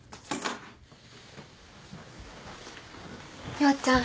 陽ちゃん